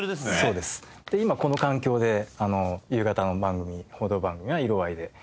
で今この環境で夕方の番組報道番組は色合いでやってますね。